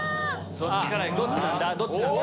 どっちなんだ？